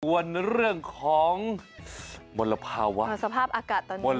ส่วนเรื่องของมลภาวะสภาพอากาศตอนนี้